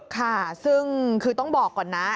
ค่ะซึ่งคือต้องบอกก่อนนะ